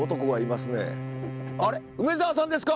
梅沢さんですか？